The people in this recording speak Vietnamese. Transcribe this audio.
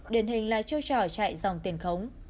điển hình là chiêu trỏ chạy dòng tiền khống